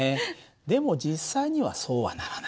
でも実際にはそうはならない。